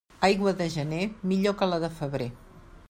Aigua de gener, millor que la de febrer.